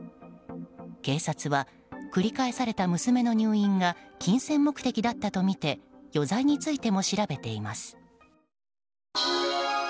警察は、繰り返された娘の入院が金銭目的だったとみて余罪についても調べています。